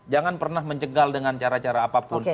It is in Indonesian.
jangan pernah mencegal dengan cara cara apapun